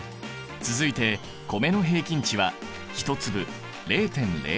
続いて米の平均値は１粒０．０３ｇ。